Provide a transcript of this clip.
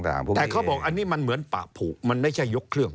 แต่เขาบอกอันนี้มันเหมือนปากผูกมันไม่ใช่ยกเครื่อง